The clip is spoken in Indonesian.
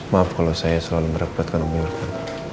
maaf kalau saya selalu merebutkan umurku